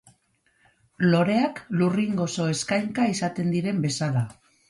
Loreak lurrin gozo eskainka izaten diren bezala.